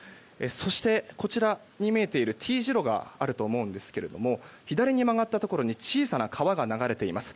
そして、こちらに見えているＴ字路があると思うんですけれども左に曲がったところに小さな川が流れています。